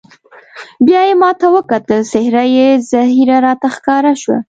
بیا یې ما ته وکتل، څېره یې زهېره راته ښکاره شوه.